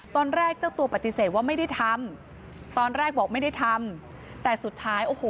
ตอนแรกเจ้าตัวปฏิเสธว่าไม่ได้ทำตอนแรกบอกไม่ได้ทำแต่สุดท้ายโอ้โห